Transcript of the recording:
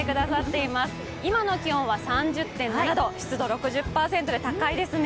今の気温は３０．７度、湿度６０％で高いですね。